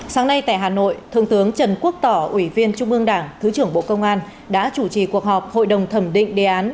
sáng nay tại hà nội thượng tướng trần quốc tỏ ủy viên trung ương đảng thứ trưởng bộ công an đã chủ trì cuộc họp hội đồng thẩm định đề án